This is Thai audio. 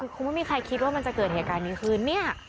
คงไม่มีใครคิดว่ามันจะเกิดเหตุการณ์นี้ขึ้นเนี่ย